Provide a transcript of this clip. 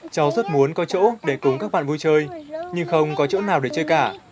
cháu rất muốn có chỗ để cùng các bạn vui chơi nhưng không có chỗ nào để chơi cả